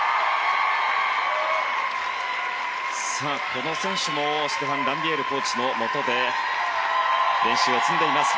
この選手もステファン・ランビエールコーチのもとで練習を積んでいます。